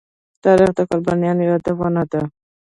تاریخ د قربانيو يادونه ده.